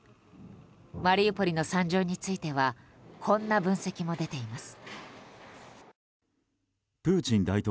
マリウポリの惨状についてはこんな分析が出ています。